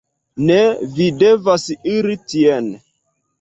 "Ne, vi devas iri tien."